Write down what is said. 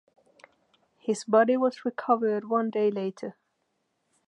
His body was recovered one day later.